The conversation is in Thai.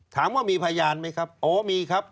ถามว่ามีพยานไหมครับอ๋อมีครับ